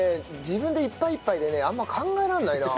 自分でいっぱいいっぱいでねあんま考えられないな。